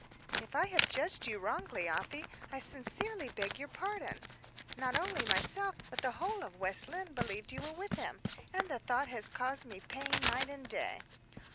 "If I have judged you wrongly, Afy, I sincerely beg your pardon. Not only myself, but the whole of West Lynne, believed you were with him; and the thought has caused me pain night and day."